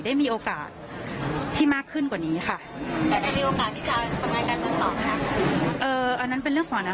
ได้มีโอกาสที่มากขึ้นกว่านี้ค่ะ